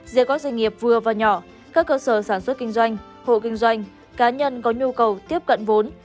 giữa các doanh nghiệp vừa và nhỏ các cơ sở sản xuất kinh doanh hộ kinh doanh cá nhân có nhu cầu tiếp cận vốn